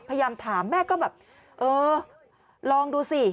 พยายามถามแม่ก็แบบเออลองดูสิ